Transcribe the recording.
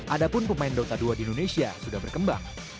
adapun pemain dota dua di indonesia sudah berkembang